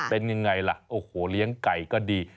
เป็นยังไงล่ะโอ้โหเลี้ยงไก่ก็ดี